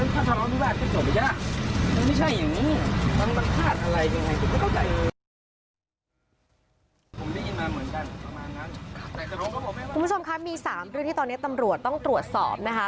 คุณผู้ชมคะมี๓เรื่องที่ตอนนี้ตำรวจต้องตรวจสอบนะคะ